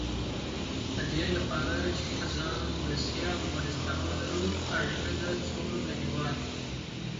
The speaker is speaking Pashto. د دې لپاره چې په ځان بسیا افغانستان ولرو، اړینه ده څو د هېواد